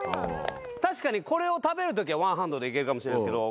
確かにこれを食べる時はワンハンドで行けるかもしれないですけど。